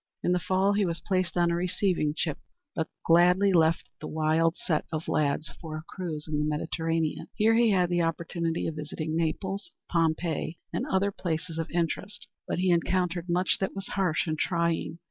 In the fall he was placed on a receiving ship, but gladly left the wild set of lads for a cruise in the Mediterranean. Here he had the opportunity of visiting Naples, Pompeii, and other places of interest, but he encountered much that was harsh and trying.